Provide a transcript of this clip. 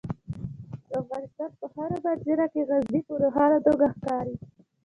د افغانستان په هره منظره کې غزني په روښانه توګه ښکاري.